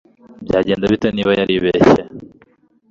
byagenda bite niba yaribeshye